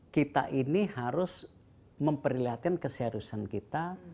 kita ini harus memperlihatkan keseriusan kita